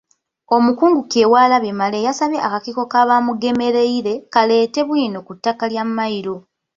Omukungu Kyewalabye Male yasabye akakiiko ka Bamugemereire kaleete bwino ku ttaka lya Mmayiro.